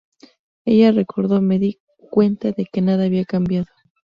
Ella recordó: "me di cuenta de que nada había cambiado.